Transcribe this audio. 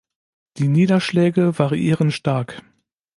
Die Niederschläge variieren stark.